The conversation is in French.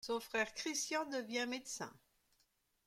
Son frère, Christian, devient médecin.